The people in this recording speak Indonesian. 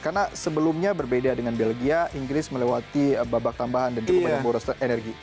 karena sebelumnya berbeda dengan belgia inggris melewati babak tambahan dan cukup banyak boros energi